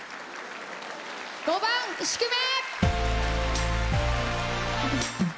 ５番「宿命」。